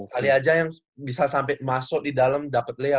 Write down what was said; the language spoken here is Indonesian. kali aja yang bisa sampe masuk di dalam dapet layout